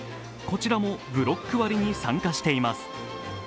こちらもブロック割に参加しています。